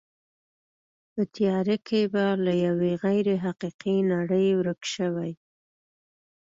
په تیاره کې به له یوې غیر حقیقي نړۍ ورک شوې.